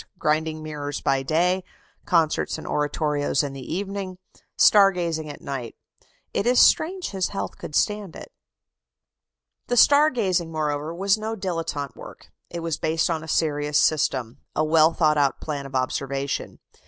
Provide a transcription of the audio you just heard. Grinding mirrors by day, concerts and oratorios in the evening, star gazing at night. It is strange his health could stand it. The star gazing, moreover, was no dilettante work; it was based on a serious system a well thought out plan of observation.